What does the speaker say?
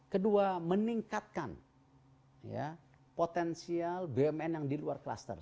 kedua meningkatkan ya potensial bmn yang diluar cluster